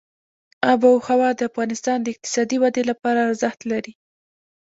آب وهوا د افغانستان د اقتصادي ودې لپاره ارزښت لري.